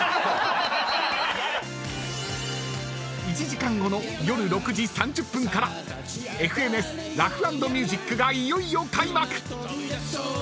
［１時間後の夜６時３０分から『ＦＮＳラフ＆ミュージック』がいよいよ開幕！］